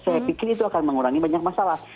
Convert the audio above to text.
saya pikir itu akan mengurangi banyak masalah